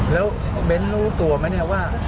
แล้วเบ้นรู้ตัวไหมเนี่ยว่า